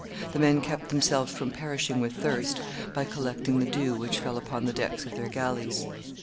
The men kept themselves from perishing with thirst by collecting the dew which fell upon the decks of their galleys.